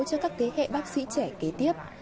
cho các thế hệ bác sĩ trẻ kế tiếp